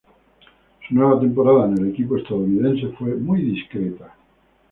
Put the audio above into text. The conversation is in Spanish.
Su nueva temporada en el equipo estadounidense fue muy discreta.